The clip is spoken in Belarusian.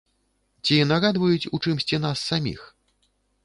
Ці нагадваюць у чымсьці нас саміх?